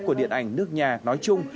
của điện ảnh nước nhà nói chung